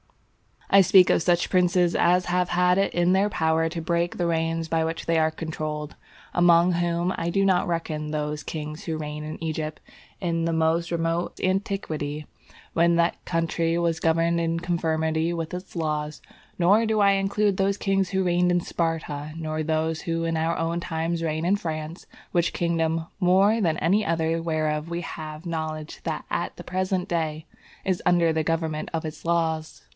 I speak of such princes as have had it in their power to break the reins by which they are controlled, among whom I do not reckon those kings who reigned in Egypt in the most remote antiquity when that country was governed in conformity with its laws; nor do I include those kings who reigned in Sparta, nor those who in our own times reign in France, which kingdom, more than any other whereof we have knowledge at the present day, is under the government of its laws.